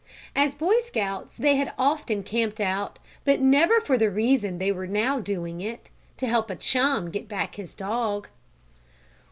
As Boy Scouts they had often camped out, but never for the reason they were now doing it to help a chum get back his dog.